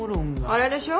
あれでしょ？